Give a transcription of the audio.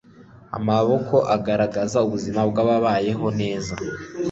amaboko agaragaza ubuzima bwabayeho neza